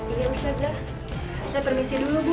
iya ustazah saya permisi dulu bu